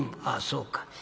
あそうか。